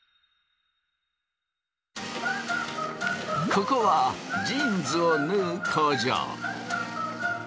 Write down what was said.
ここはジーンズを縫う工場。